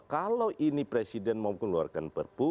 kalau ini presiden mau mengeluarkan prpu